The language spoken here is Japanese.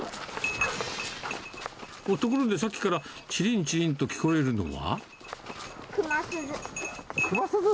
ところで、さっきからちりんちりんと聞こえるのは？